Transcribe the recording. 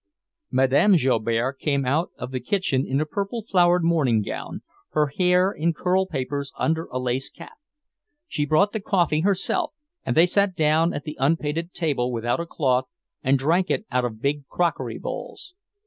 Madame Joubert came out of the kitchen in a purple flowered morning gown, her hair in curl papers under a lace cap. She brought the coffee herself, and they sat down at the unpainted table without a cloth, and drank it out of big crockery bowls.